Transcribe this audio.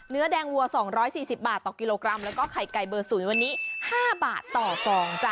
เนื้อแดงวัว๒๔๐บาทต่อกิโลกรัมแล้วก็ไข่ไก่เบอร์ศูนย์วันนี้๕บาทต่อฟองจ้ะ